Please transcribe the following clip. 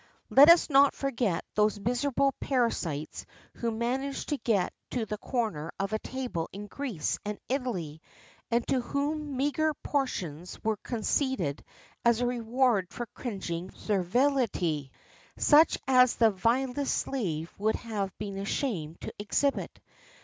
Let us not forget those miserable parasites who managed to get to the corner of a table in Greece and Italy, and to whom meagre portions were conceded as a reward for cringing servility, such as the vilest slave would have been ashamed to exhibit.